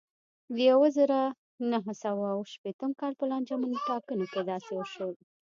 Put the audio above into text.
د یوه زرو نهه سوه اوه شپېتم کال په لانجمنو ټاکنو کې داسې وشول.